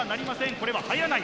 これははいらない。